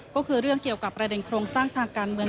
ก็คือเรื่องเกี่ยวกับประเด็นโครงสร้างทางการเมือง